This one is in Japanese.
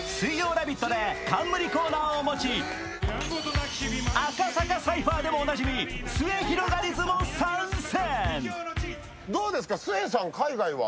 「ラヴィット！」で冠コーナーを持ち、赤坂サイファーでもおなじみすゑひろがりずも参戦。